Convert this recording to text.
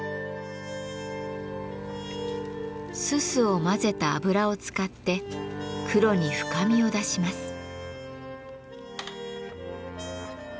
煤を混ぜた油を使って黒に深みを出します。